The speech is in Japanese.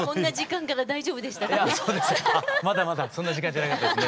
あっまだまだそんな時間じゃなかったですね。